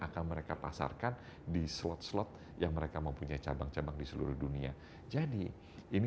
akan mereka pasarkan di slot slot yang mereka mempunyai cabang cabang di seluruh dunia jadi ini